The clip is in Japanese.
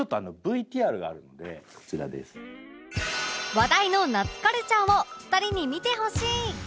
話題の夏カルチャーを２人に見てほしい！